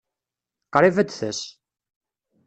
Qṛib ad tas.